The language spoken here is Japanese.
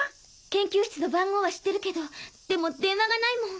研究室の番号は知ってるけどでも電話がないもん。